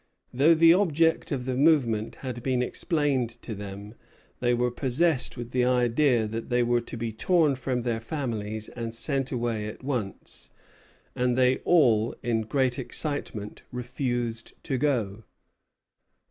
Though the object of the movement had been explained to them, they were possessed with the idea that they were to be torn from their families and sent away at once; and they all, in great excitement, refused to go.